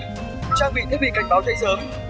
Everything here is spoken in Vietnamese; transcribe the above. trang bị thiết bị cảnh báo chạy sớm